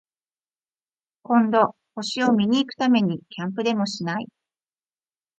今度、星を見に行くためにキャンプでもしない？